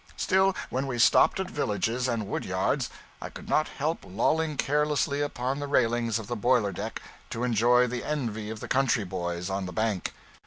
Still, when we stopped at villages and wood yards, I could not help lolling carelessly upon the railings of the boiler deck to enjoy the envy of the country boys on the bank.